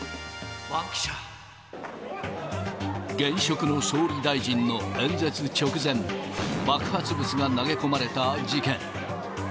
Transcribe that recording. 現職の総理大臣の演説直前、爆発物が投げ込まれた事件。